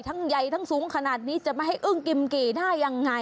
ใหญ่ทั้งสูงขนาดนี้จะไม่ให้อึ้งกิมกี่ได้ยังไง